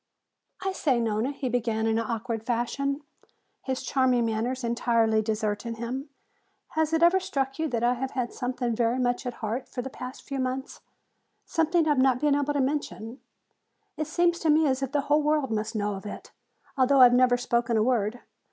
"I say, Nona," he began in an awkward fashion, his charming manners entirely deserting him, "has it ever struck you that I have had something very much at heart for the past few months, something I have not been able to mention? It has seemed to me as if the whole world must know of it, although I have never spoken a word.